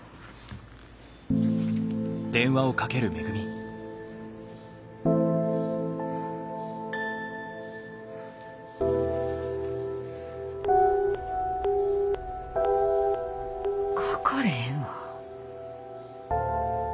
かかれへんわ。